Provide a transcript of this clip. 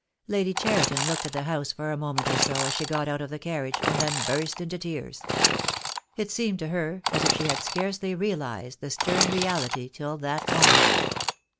Lady Cheriton looked at the house for a moment or so as she got out of the carriage, and then burst into tears. It seemed to her as if she had scarcely realized the stern reality till that moment.